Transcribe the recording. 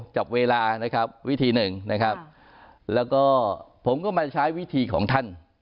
จับเวลานะครับวิธีหนึ่งนะครับแล้วก็ผมก็มาใช้วิธีของท่าน